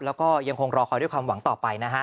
แล้วก็ยังคงรอคอยด้วยความหวังต่อไปนะฮะ